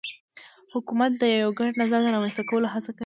حکومت د یو ګډ نظر د رامنځته کولو هڅه کوي